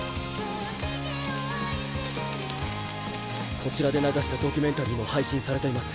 こちらでながしたドキュメンタリーもはいしんされています。